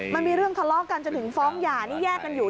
มันมีเรื่องทะเลาะกันจนถึงฟ้องหย่านี่แยกกันอยู่